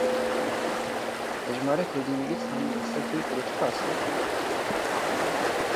Hejmara kurdînivîsan li ser Twitterê çi qas e?